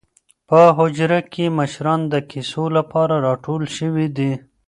په حجره کې مشران د کیسو لپاره راټول شوي دي.